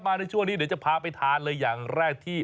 ในช่วงนี้เดี๋ยวจะพาไปทานเลยอย่างแรกที่